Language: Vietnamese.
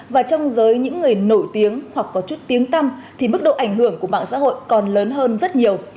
và trong giới những người nổi tiếng hoặc có chút tiếng tâm thì mức độ ảnh hưởng của mạng xã hội còn lớn hơn rất nhiều